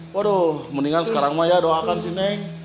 waduh mendingan sekarang saya doakan si neng